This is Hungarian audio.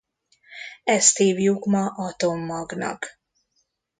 Ezt hívjuk ma atommagnak.